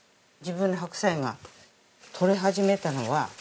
自分で白菜が取れ始めたのは。